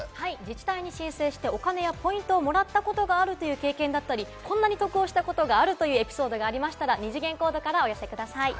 自治体に申請してお金やポイントをもらったことがあるという経験や、こんなに得をしたことがあるというエピソードがありましたら、二次元コードからお寄せください。